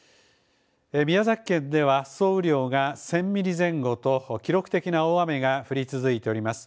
宮崎県では、総雨量が１０００ミリ前後と記録的な大雨が降り続いております。